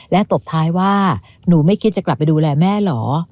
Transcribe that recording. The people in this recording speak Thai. และตบท้ายว่าหนูไม่คิดจะกลับไปดูแลแม่เหรอ